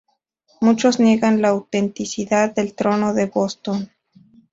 Muchos niegan la autenticidad del Trono de Boston.